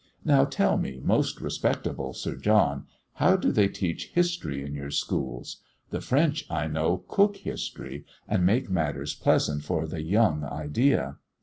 Now tell me, most respectable Sir John, how do they teach history in your schools? The French, I know, cook history, and make matters pleasant for 'the young idea.'"